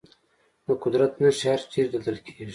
د قدرت نښې هرچېرې لیدل کېږي.